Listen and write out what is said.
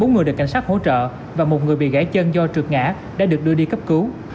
bốn người được cảnh sát hỗ trợ và một người bị gãy chân do trượt ngã đã được đưa đi cấp cứu